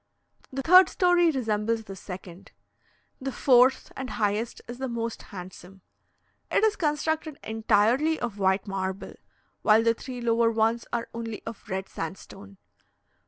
The third story resembles the second. The fourth and highest is the most handsome. It is constructed entirely of white marble, while the three lower ones are only of red sandstone.